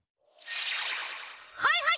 はいはい！